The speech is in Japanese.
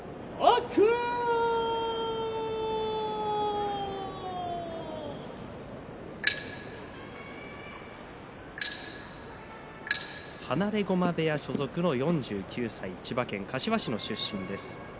柝きの音放駒部屋所属の４９歳千葉県鹿児島市の出身です。